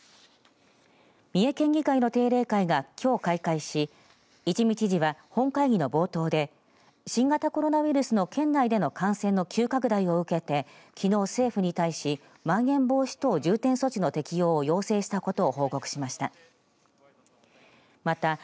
三重県議会の定例会がきょう開会し一見知事は本会議の冒頭で新型コロナウイルスの県内での感染の急拡大を受けてきのう、政府に対しまん延防止等重点措置の適用を要請したことを報告しました。